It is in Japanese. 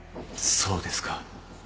そうですか